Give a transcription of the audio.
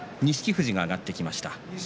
富士が上がってきました。